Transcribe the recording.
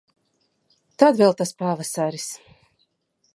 Tad vēl tas pavasaris...